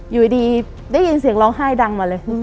อยู่ดีได้ยินเสียงร้องไห้ดังมาเลย